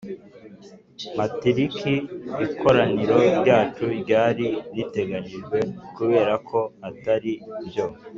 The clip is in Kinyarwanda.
matariki ikoraniro ryacu ryari riteganyijweho Kubera ko Atari byo